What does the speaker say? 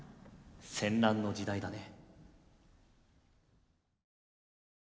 戦乱の時代だね。